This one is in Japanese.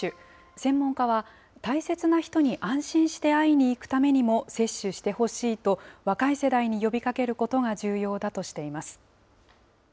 専門家は、大切な人に安心して会いに行くためにも接種してほしいと、若い世代に呼びかけることが重要だとしています。